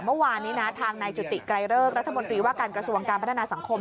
เมื่อวานนี้นะทางนายจุติไกรเลิกรัฐมนตรีว่าการกระทรวงการพัฒนาสังคม